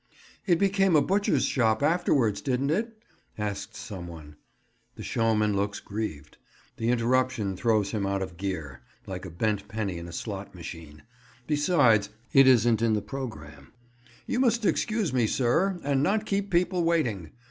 "It became a butcher's shop afterwards, didn't it?" asks some one. The showman looks grieved: the interruption throws him out of gear, like a bent penny in a slot machine. Besides, it isn't in the programme. "You must excuse me, sir, and not keep people waiting.